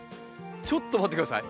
ちょっと待って下さい。